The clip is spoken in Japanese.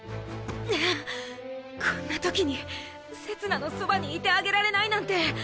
ああこんな時にせつなのそばにいてあげられないなんて！！